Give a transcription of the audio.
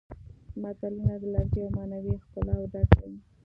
متلونه د لفظي او معنوي ښکلاوو ډک دي